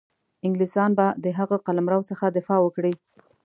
انګلیسیان به د هغه قلمرو څخه دفاع وکړي.